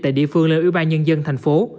tại địa phương lên ưu ba nhân dân thành phố